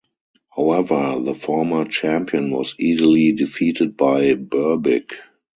However, the former champion was easily defeated by Berbick.